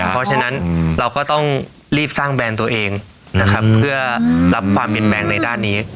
เพราะฉะนั้นเราก็ต้องรีบสร้างแบรนด์ตัวเองนะครับเพื่อรับความเปลี่ยนแปลงในด้านนี้